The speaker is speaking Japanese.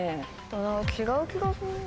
でも違う気がする。